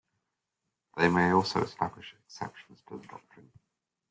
They may also establish exceptions to the doctrine.